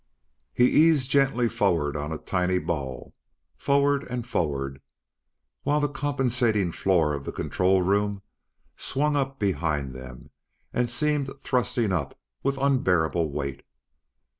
Then he eased gently forward on a tiny ball forward and forward, while the compensating floor of the control room swung up behind them and seemed thrusting up with unbearable weight.